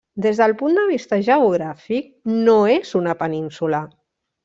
Des del punt de vista geogràfic no és una península.